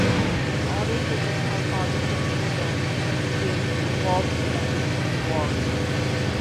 In order to win her father's approval, he became involved in a distant war.